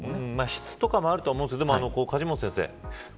室とかもあると思うんですけど梶本先生